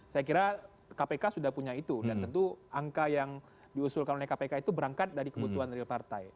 saya kira kpk sudah punya itu dan tentu angka yang diusulkan oleh kpk itu berangkat dari kebutuhan real partai